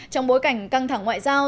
trong bối cảnh căng thẳng ngoại giao